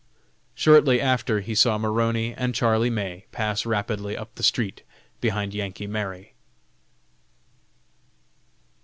Shortly after he saw Maroney and Charlie May pass rapidly up the street behind "Yankee Mary."